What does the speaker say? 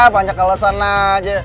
banyak kalau sana aja